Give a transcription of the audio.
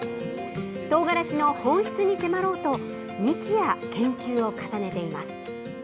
トウガラシの本質に迫ろうと日夜、研究を重ねています。